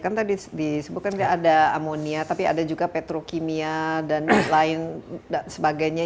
kan tadi disebutkan ada amonia tapi ada juga petrokimia dan lain sebagainya